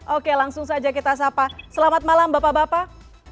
oke langsung saja kita sapa selamat malam bapak bapak